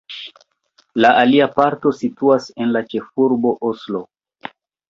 La alia parto situas en la ĉefurbo Oslo.